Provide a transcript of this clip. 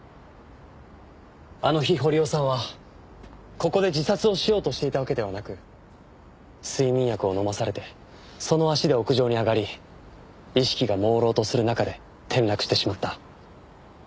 あの日堀尾さんはここで自殺をしようとしていたわけではなく睡眠薬を飲まされてその足で屋上に上がり意識がもうろうとする中で転落してしまった。